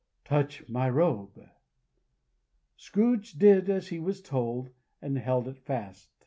"Touch my robe!" Scrooge did as he was told, and held it fast.